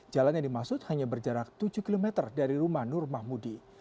jalan yang dimaksud hanya berjarak tujuh km dari rumah nur mahmudi